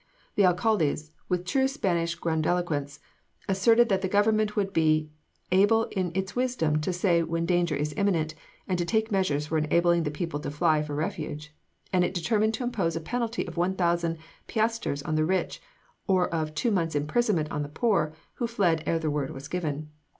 The alcaldes, with true Spanish grandiloquence, asserted that the government would "be able in its wisdom to say when danger is imminent, and to take measures for enabling the people to fly for refuge;" and it determined to impose a penalty of one thousand piasters on the rich, or of two months imprisonment on the poor who fled ere the word was given.